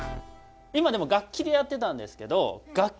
今でも楽器でやってたんですけどファ。